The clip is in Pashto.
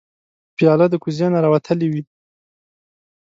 پیاله د کوزې نه راوتلې وي.